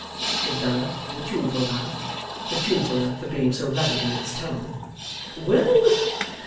said Bella with a tuneful laugh: the tune fuller for being so loving in its tone. 'Well!